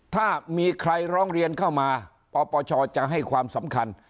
ถ้ามีใครร้องเรียนเข้ามาปปชจะให้ความสำคัญ